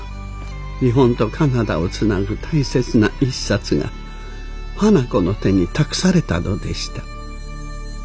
日本とカナダをつなぐ大切な一冊が花子の手に託されたのでした。